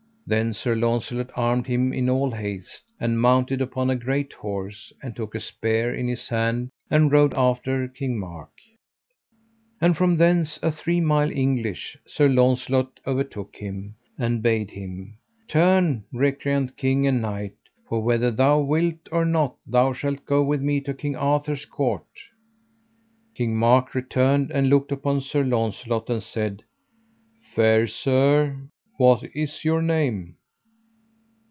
Then Sir Launcelot armed him in all haste, and mounted upon a great horse, and took a spear in his hand and rode after King Mark. And from thence a three mile English Sir Launcelot over took him, and bade him: Turn recreant king and knight, for whether thou wilt or not thou shalt go with me to King Arthur's court. King Mark returned and looked upon Sir Launcelot, and said: Fair sir, what is your name?